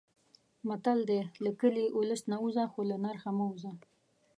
متل دی: له کلي، اولس نه ووځه خو له نرخه مه وځه.